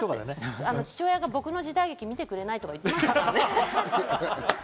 父親が僕の時代劇見てくれないとか言ってましたからね。